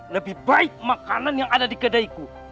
lebih baik makanan yang ada di kedaiku